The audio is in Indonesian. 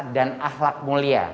dan ahlak mulia